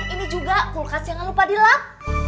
ini juga kulkas jangan lupa dilap